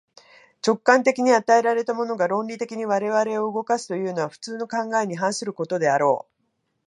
直観的に与えられたものが、論理的に我々を動かすというのは、普通の考えに反することであろう。